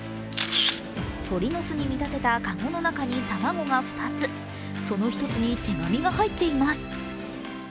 鳥の巣に見立てたかごの中に卵が２つその１つに手紙が入っています。